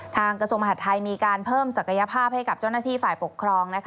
กระทรวงมหาดไทยมีการเพิ่มศักยภาพให้กับเจ้าหน้าที่ฝ่ายปกครอง